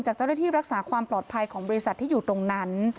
เจ้าหน้าที่รักษาความปลอดภัยของบริษัทที่อยู่ตรงนั้น